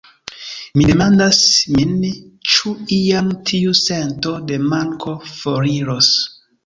Mi demandas min ĉu iam tiu sento de manko foriros.